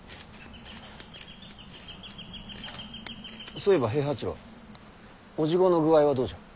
そういえば平八郎叔父御の具合はどうじゃ？